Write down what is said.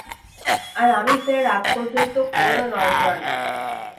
আর আমি ফেরার আগ পর্যন্ত কোনো নড়াচড়া না!